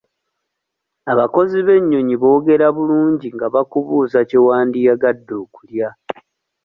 Abakozi b'ennyonyi boogera bulungi nga bakubuuza kye wandiyagadde okulya.